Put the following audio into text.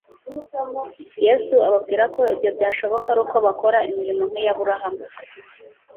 Yesu ababwira ko ibyo byashoboka ari uko bakora imirimo nk'iy'Aburahamu.